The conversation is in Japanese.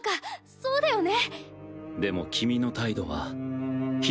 そうだよね！